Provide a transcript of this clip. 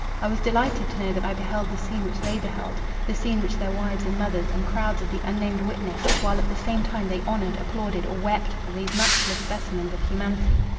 I was delighted to know that I beheld the scene which they beheld—the scene which their wives and mothers, and crowds of the unnamed witnessed, while at the same time they honoured, applauded, or wept for these matchless specimens of humanity.